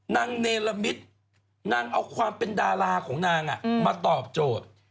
เนรมิตนางเอาความเป็นดาราของนางมาตอบโจทย์